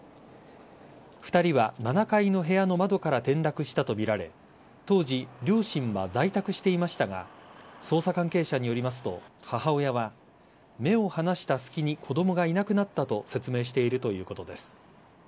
２人は７階の部屋の窓から転落したとみられ当時、両親は在宅していましたが捜査関係者によりますと母親は目を離した隙に子供がいなくなったと説明しているということです。